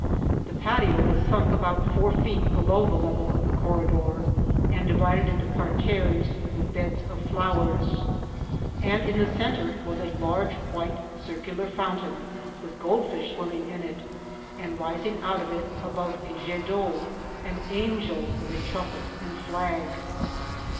The patio was sunk about four feet below the level of the corridor, and divided into parterres, with beds of flowers, and in the centre was a large white circular fountain, with goldifiah swimming in it, and ri< sing out of it, above a jet d'eau, an angel with a trumpet and flag.